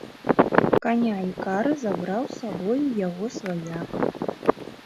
Каня і кары забраў з сабою яго сваяк.